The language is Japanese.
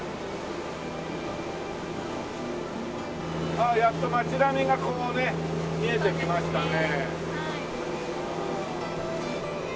あっやっと街並みがこうね見えてきましたね。